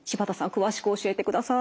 詳しく教えてください。